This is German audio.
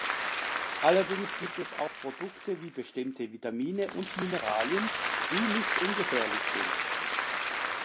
Allerdings gibt es auch Produkte wie bestimmte Vitamine und Mineralien, die nicht ungefährlich sind.